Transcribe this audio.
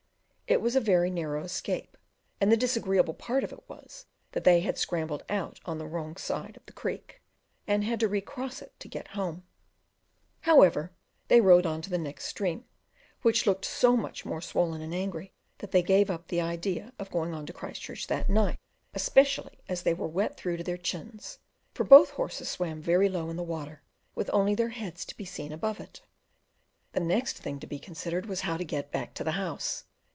It was a very narrow escape, and the disagreeable part of it was that they had scrambled out on the wrong side of the creek and had to recross it to get home: however, they rode on to the next stream, which looked so much more swollen and angry, that they gave up the idea of going on to Christchurch that night, especially as they were wet through to their chins, for both horses swam very low in the water, with only their heads to be seen above it. The next thing to be considered was how to get back to the house.